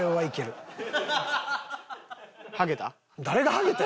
ハゲた？